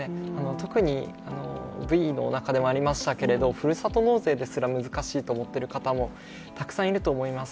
特にＶＴＲの中にもありましたけれどもふるさと納税ですら難しいと思っている方、たくさんいると思います。